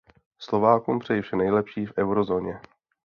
Slovákům přeji vše nejlepší v eurozóně.